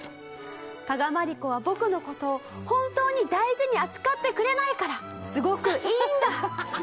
「加賀まりこは僕の事を本当に大事に扱ってくれないからすごくいいんだ！」。